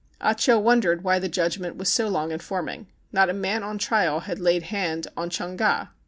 Ah Cho wondered why the judgment was so long in forming. Not a man on trial had laid hand on Chung Ga.